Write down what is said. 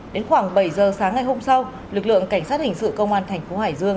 đến khoảng bảy giờ sáng ngày hôm sau lực lượng cảnh sát hình sự công an thành phố hải dương